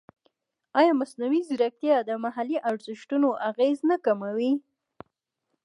ایا مصنوعي ځیرکتیا د محلي ارزښتونو اغېز نه کموي؟